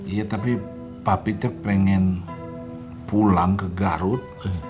iya tapi papi itu pengen pulang ke garut